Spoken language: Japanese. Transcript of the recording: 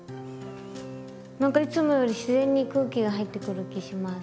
なんかいつもより自然に空気が入ってくる気します。